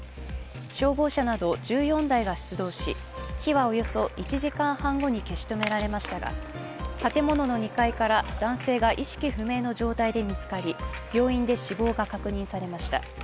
消防車など１４台が出動し火はおよそ１時間半後に消し止められましたが建物の２階から男性が意識不明の状態で見つかり病院で死亡が確認されました。